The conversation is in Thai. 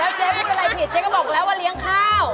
เจ๊พูดอะไรผิดเจ๊ก็บอกแล้วว่าเลี้ยงข้าว